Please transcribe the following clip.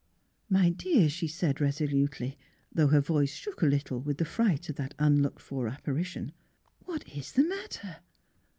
" My dear," she said, resolutely, though her voice shook a little with the fright of that un looked for apparition. *' What is the matter'?